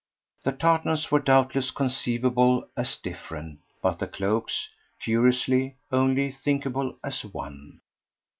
The tartans were doubtless conceivable as different, but the cloaks, curiously, only thinkable as one.